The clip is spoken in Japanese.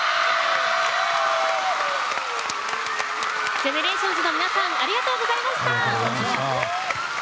ＧＥＮＥＲＡＴＩＯＮＳの皆さんありがとうございました。